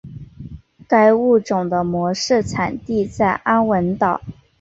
该物种的模式产地在安汶岛。